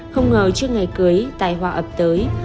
không ngờ trước ngày cưới tài hoa ập tới